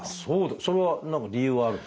それは何か理由はあるんですか？